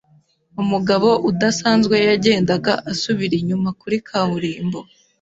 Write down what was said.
Umugabo udasanzwe yagendaga asubira inyuma kuri kaburimbo.